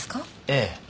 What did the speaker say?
ええ。